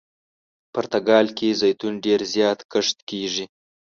پرتګال کې زیتون ډېر زیات کښت کیږي.